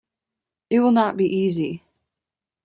It will not be easy.